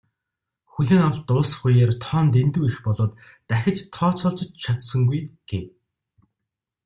"Хүлээн авалт дуусах үеэр тоо нь дэндүү их болоод дахиж тооцоолж ч чадсангүй" гэв.